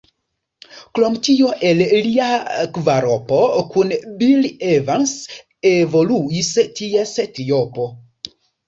Krom tio el lia kvaropo kun Bill Evans evoluis ties triopo.